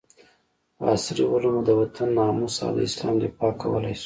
په عصري علومو د وطن ناموس او د اسلام دفاع کولي شو